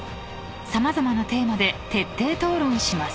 ［様々なテーマで徹底討論します］